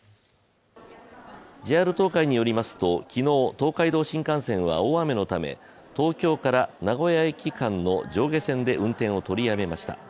ＪＲ東海によりますと昨日、東海道新幹線は大雨のため東京から名古屋駅間の上下線で運転を取りやめました。